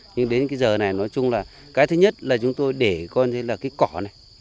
nhưng đến cái giờ này nói chung là cái thứ nhất là chúng tôi để con cái cỏ này